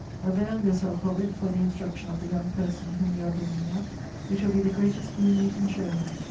Avail yourself of it for the instruction of the young person whom you are bringing up; it will be the greatest boon you can show her.